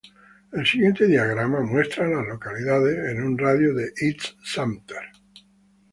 El siguiente diagrama muestra a las localidades en un radio de de East Sumter.